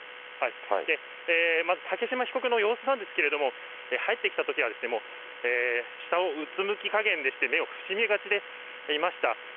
まず竹島被告の様子なんですけれども、入ってきたときはもう下をうつむきかげんでして、目を伏し目がちでいました。